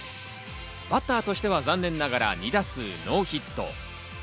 バッターとしては残念ながら２打数ノーヒット。